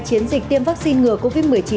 chiến dịch tiêm vaccine ngừa covid một mươi chín